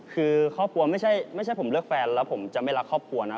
คือครอบครัวไม่ใช่ผมเลือกแฟนแล้วผมจะไม่รักครอบครัวนะ